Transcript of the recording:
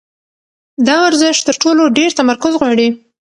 دا ورزش تر ټولو ډېر تمرکز غواړي.